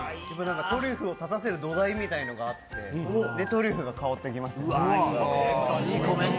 トリュフを立たせる土台みたいのがあって、で、トリュフが香ってきますね。